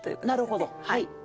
なるほどはい。